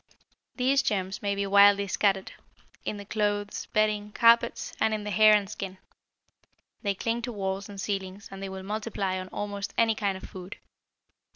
These germs may be widely scattered, in the clothes, bedding, carpets, and in the hair and skin. They cling to walls and ceilings and they will multiply on almost any kind of food.